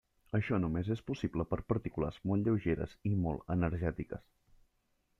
Això només és possible per partícules molt lleugeres i molt energètiques.